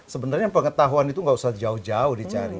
sebenarnya pengetahuan itu gak usah jauh jauh dicari